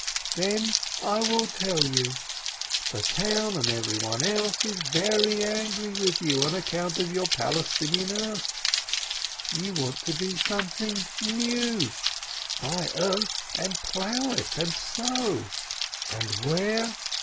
"Then I will tell you : the town and everyone else is very angry with you on account of your Palestinian earth: you want to do something new, buy earth and plough it and sow — and where?